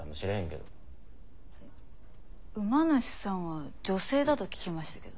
馬主さんは女性だと聞きましたけど。